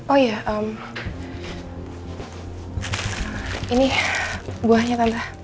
oh ya ini buahnya tambah